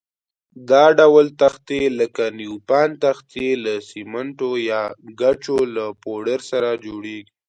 دا ډول تختې لکه نیوپان تختې له سمنټو یا ګچو له پوډر سره جوړېږي.